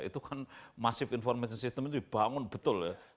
itu kan masif information system itu dibangun betul ya